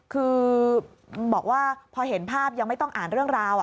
คือบอกว่าพอเห็นภาพยังไม่ต้องอ่านเรื่องราว